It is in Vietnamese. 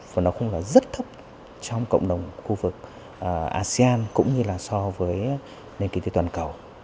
và nó cũng là rất thấp trong cộng đồng khu vực asean cũng như là so với nền kinh tế toàn cầu